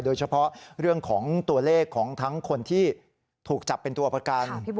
โดยเฉพาะเรื่องของตัวเลขของทั้งคนที่ถูกจับเป็นตัวประกัน